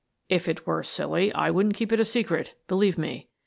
" If it were silly, I wouldn't keep it a secret, be lieve me.